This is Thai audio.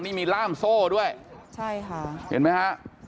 นี่มีร่ามโซ่ด้วยเห็นไหมฮะ